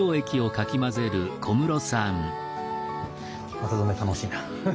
綿染め楽しいな。